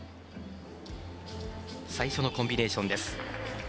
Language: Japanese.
最初のコンビネーション。